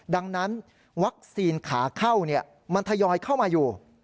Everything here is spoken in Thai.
ดังนั้นวัคซีนขาเข้ามันทยอยเข้ามาอยู่